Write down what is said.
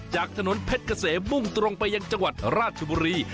จากถนนเพชรเกษมมุ่งตรงไปยังจังหวัดราชบุรี